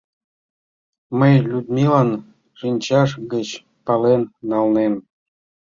Мый Людмилан шинчаж гыч пален налнем.